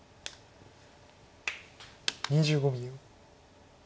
２５秒。